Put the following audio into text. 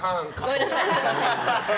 ごめんなさい。